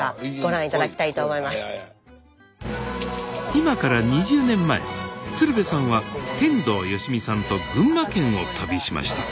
今から２０年前鶴瓶さんは天童よしみさんと群馬県を旅しました。